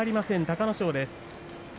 隆の勝です。